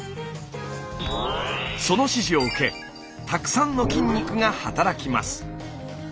その指示を受けたくさんの筋肉がはたらきます。